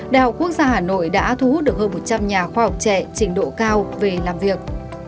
đại học quốc gia hà nội đã thu hút được hơn một trăm linh nhà khoa học trẻ trình độ cao về làm việc